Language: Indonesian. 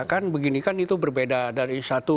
kan begini kan itu berbeda dari satu